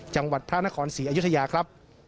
จังหวัดพระนครศรีอยุธยาครับ